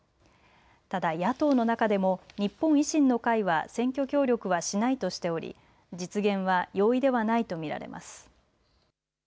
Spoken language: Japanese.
ただ野党の中でも日本維新の会は選挙協力はしないとしており実現は容易ではないと見られます。